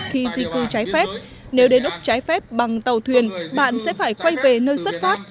khi di cư trái phép nếu đến úc trái phép bằng tàu thuyền bạn sẽ phải quay về nơi xuất phát